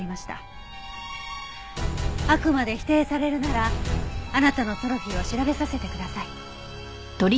あくまで否定されるならあなたのトロフィーを調べさせてください。